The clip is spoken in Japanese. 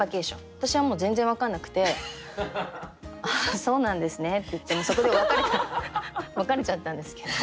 私はもう全然分かんなくて「ああそうなんですね」って言ってそこで別れちゃったんですけど。